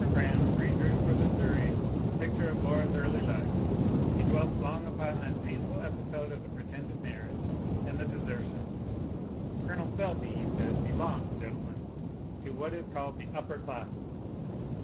Braham re drew for the jury the picture of Laura's early life; he dwelt long upon that painful episode of the pretended marriage and the desertion. Col. Selby, he said, belonged, gentlemen; to what is called the "upper classes."